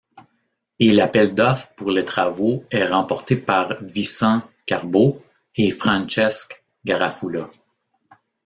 Et l'appel d'offres pour les travaux est remporté par Vicent Carbó et Francesc Garafulla.